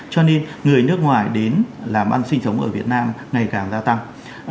cho nên người nước ngoài đến làm ăn sinh sống ở việt nam ngày càng gia tăng